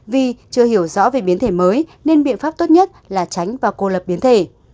vì chưa hiểu rõ về biến thể mới nên biện pháp tốt nhất là tránh và cô lập biến thể